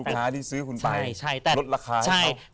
ค้าที่ซื้อคุณไปลดราคาให้เขา